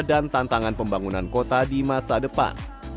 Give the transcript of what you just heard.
dan tantangan pembangunan kota di masa depan